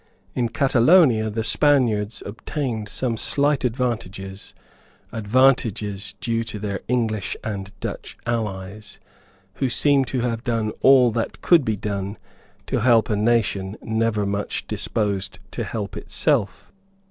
In Catalonia the Spaniards obtained some slight advantages, advantages due to their English and Dutch allies, who seem to have done all that could be done to help a nation never much disposed to help itself.